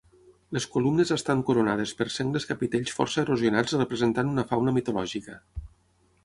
Les columnes estan coronades per sengles capitells força erosionats, representant una fauna mitològica.